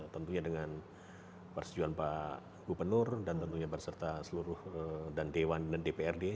tentunya dengan persetujuan pak gubernur dan tentunya berserta seluruh dan dewan dan dprd